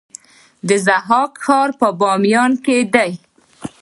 د ضحاک ښار په بامیان کې دی